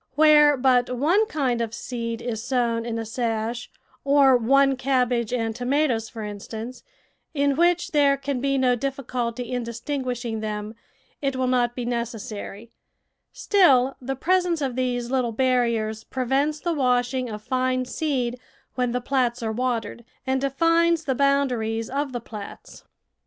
Where but one kind of seed is sown in a sash, or one cab bage and tomatoes, for instance, in which there can be no difficulty in distinguishing them, it will not be necessary; still the presence of these little barriers prevents the washing of fine seed when the plats are watered, and defines the boundaries of the plats.